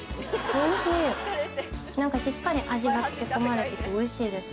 何かしっかり味がつけ込まれてて美味しいです